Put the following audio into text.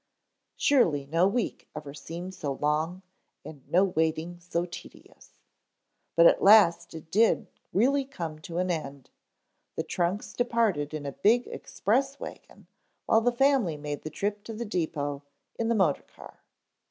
Surely no week ever seemed so long and no waiting so tedious. But at last it did really come to an end, the trunks departed in a big express wagon while the family made the trip to the depot in the motor car.